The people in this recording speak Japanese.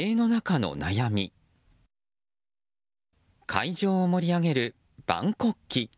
会場を盛り上げる万国旗。